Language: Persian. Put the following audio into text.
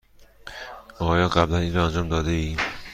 آیا قبلا این را انجام داده ای؟